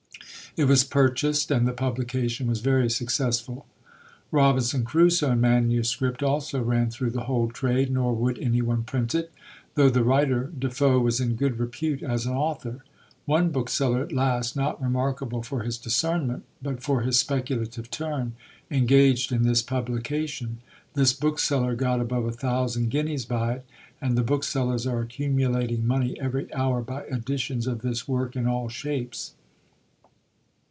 It was purchased, and the publication was very successful. Robinson Crusoe in manuscript also ran through the whole trade, nor would any one print it, though the writer, De Foe, was in good repute as an author. One bookseller at last, not remarkable for his discernment, but for his speculative turn, engaged in this publication. This bookseller got above a thousand guineas by it; and the booksellers are accumulating money every hour by editions of this work in all shapes.